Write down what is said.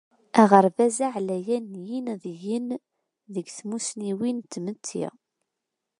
Aɣerbaz Aεlayen n Yinadiyen deg tmussniwin n tmetti.